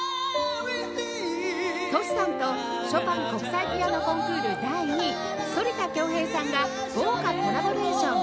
Ｔｏｓｈｌ さんとショパン国際ピアノコンクール第２位反田恭平さんが豪華コラボレーション